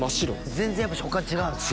全然やっぱ食感違うんですか？